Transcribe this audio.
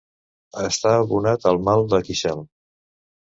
Estar abonat al mal de queixal.